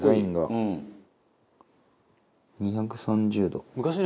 ２３０度。